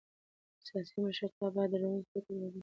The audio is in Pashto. سیاسي مشرتابه باید روڼ فکر ولري